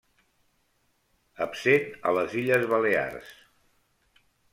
Absent a les Illes Balears.